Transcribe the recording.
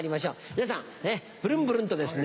皆さんブルンブルンとですね